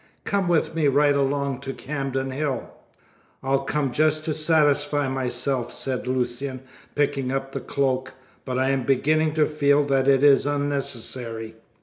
Come with me right along to Camden Hill." "I'll come just to satisfy myself," said Lucian, picking up the cloak, "but I am beginning to feel that it is unnecessary."